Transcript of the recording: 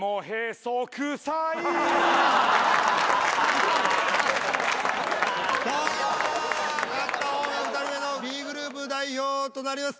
勝ったほうが２人目のＢグループ代表となります。